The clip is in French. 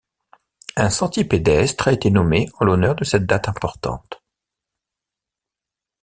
Un sentier pédestre a été nommé en l'honneur de cette date importante.